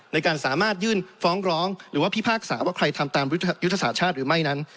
ในการสามารถยื่นฟ้องร้องหรือว่าพิพากษาว่าใครทำตามยุทธศาสตร์ชาติหรือไม่นั้น